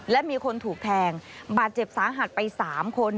และมีคนถูกแทงบาดเจ็บสาหัสไป๓คน